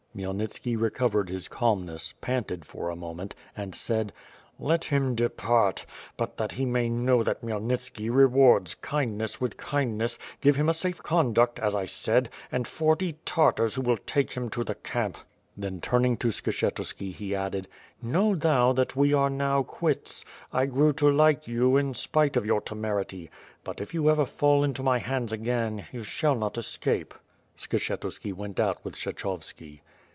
Khmyelnitski recovered his calmness, panted for a moment, and said: "Let him depart, but that he may know that Khmyelnitski rewards kindness with kindness, give him a safe conduct, as I said, and forty Tartars who will take him to tlie camp." Then turning to Skshetuski, he added: "Know thou that we are now quits. I grew to like you, in spite of your temerity, but, if you ever fall into my hands again, you shall not escape." Skshetuski went out with Kshechovski.